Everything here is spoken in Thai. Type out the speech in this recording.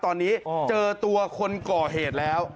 ตอนนี้เจอตัวคนก่อเหตุแล้ว